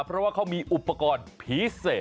เพราะว่าเขามีอุปกรณ์ผีเสพ